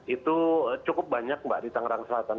itu cukup banyak mbak di tangerang selatan